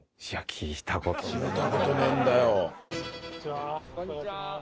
聞いた事ねえんだよ。